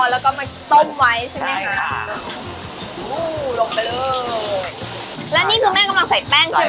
แล้วก็มาต้มไว้ใช่ไหมคะมู้ลงไปเลยและนี่คือแม่กำลังใส่แป้งใช่ไหม